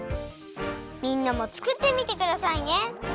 みんなもつくってみてくださいね。